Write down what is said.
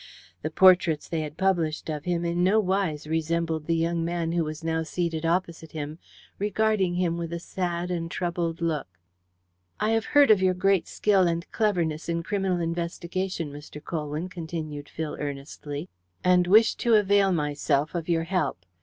The portraits they had published of him in no wise resembled the young man who was now seated opposite him, regarding him with a sad and troubled look. "I have heard of your great skill and cleverness in criminal investigation, Mr. Colwyn," continued Phil earnestly, "and wish to avail myself of your help.